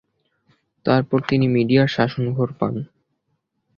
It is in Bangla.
তারপরই তিনি মিডিয়ার শাসনভার পান।